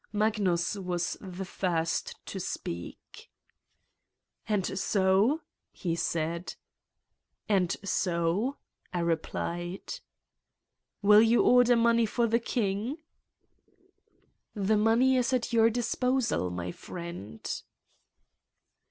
Magnus was the first to speak : "And so? "he said. "And so?" I replied. "Will you order money for the king?" 191 Satan's Diary "The money is at your disposal, my dear friend."